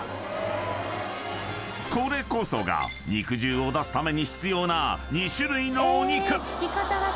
［これこそが肉汁を出すために必要な２種類のお肉］